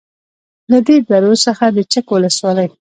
. له دې درو څخه د چک ولسوالۍ